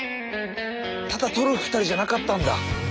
ただとる２人じゃなかったんだ。